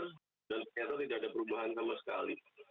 dan ternyata tidak ada perubahan sama sekali